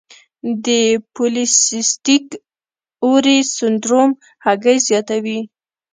د پولی سیسټک اووری سنډروم هګۍ زیاتوي.